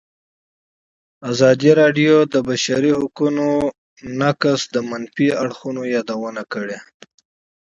ازادي راډیو د د بشري حقونو نقض د منفي اړخونو یادونه کړې.